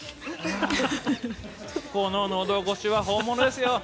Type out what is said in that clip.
こののどごしは本物ですよ。